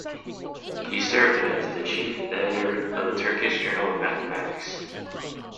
He served as the Chief Editor of the Turkish Journal of Mathematics.